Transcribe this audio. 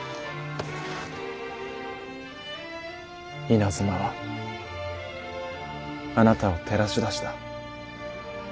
稲妻はあなたを照らし出した。